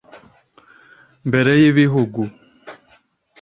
mbere y’Ibihugu